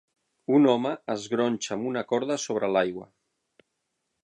Un home es gronxa amb una corda sobre l'aigua.